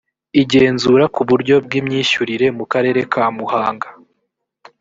igenzura ku buryo bw imyishyurire mu karere ka muhanga